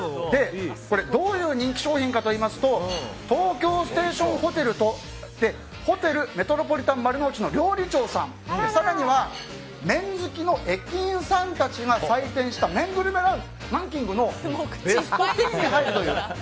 どういう人気商品かといいますと東京ステーションホテルとホテルメトロポリタン丸の内の料理長さん、更には麺好きの駅員さんたちが採点した麺グルメランキングのベスト１０に入るという。